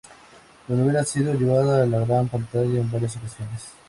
La novela ha sido llevada a la gran pantalla en varias ocasiones.